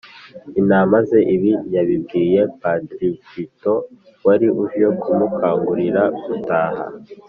Intama ze ibi yabibwiye padirivitto wari uje kumukangurira gutaha